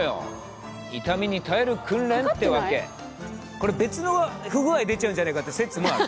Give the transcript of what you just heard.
これ別の不具合出ちゃうんじゃねえかって説もある。